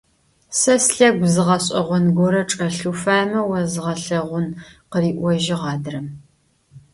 Se slhegu zı ğeş'eğon gore çç'elh, vufaême vozğelheğun, – khıri'ojığ adrem.